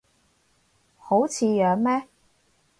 好似樣咩